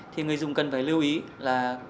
thì người dùng cần phải lưu ý là